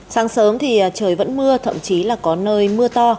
sáng sớm thì trời vẫn mưa thậm chí là có nơi mưa to